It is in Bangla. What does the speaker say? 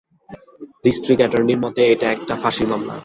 ডিসট্রিক্ট এটর্নির মতে এটা একটা ফাঁসির মামলা।